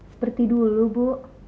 seperti dulu bu